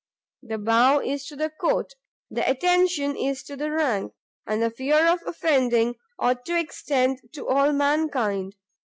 The bow is to the coat, the attention is to the rank, and the fear of offending ought to extend to all mankind.